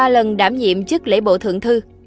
ba lần đảm nhiệm chức lễ bộ thượng thư